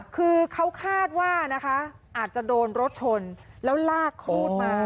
คือเขาคาดว่านะคะอาจจะโดนรถชนแล้วลากครูดมา